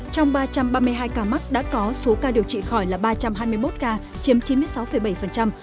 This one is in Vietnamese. trong ba trăm ba mươi hai ca mắc đã có số ca điều trị khỏi là ba trăm hai mươi một ca chiếm chín mươi sáu bảy